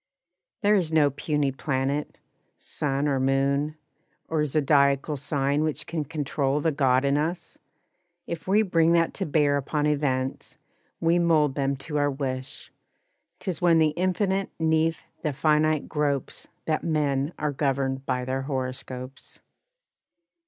There is no puny planet, sun or moon, Or zodiacal sign which can control The God in us! If we bring that to bear Upon events, we mold them to our wish, 'Tis when the infinite 'neath the finite gropes That men are governed by their horoscopes.